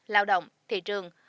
lào động thị trường